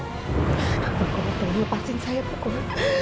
pak kauh jangan lepasin saya pak kauh